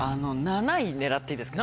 狙っていいですか？